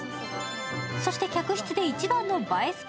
そして客室で一番の映え